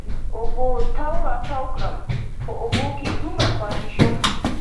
اوبو تاو را تاو کړم، په اوبو کې دومره پاتې شوم.